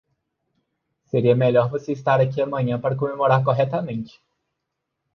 Seria melhor você estar aqui amanhã para comemorar corretamente.